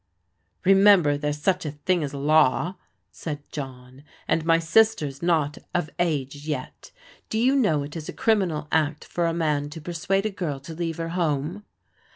" Remember there's such a thing as law," said John, "aAi my sister's not of age yet. Do you know it is a criminal act for a man to persuade a girl to leave her home?"